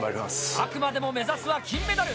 あくまでも目指すは金メダル！